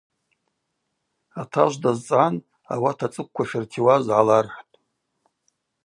Атажв дазцӏгӏан ауат ацӏыквква шыртиуаз гӏалархӏвтӏ.